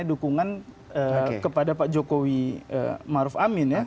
dukungan kepada pak jokowi maruf amin ya